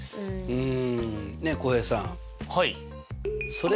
うん。